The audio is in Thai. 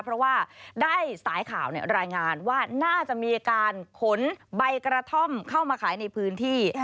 เพราะว่าได้สายข่าวรายงานว่าน่าจะมีการขนใบกระท่อมเข้ามาขายในพื้นที่